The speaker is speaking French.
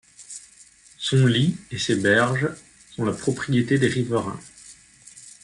Son lit et ses berges sont la propriété des riverains.